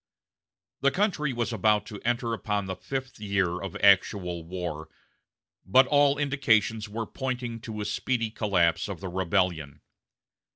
The country was about to enter upon the fifth year of actual war; but all indications were pointing to a speedy collapse of the rebellion.